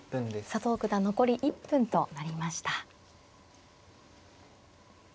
佐藤九段残り１分となりました。